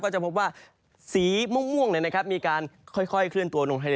ก็จะพบว่าสีม่วงเนี่ยนะครับมีการค่อยเคลื่อนตัวลงทะเล